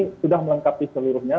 kami sudah melengkapi seluruhnya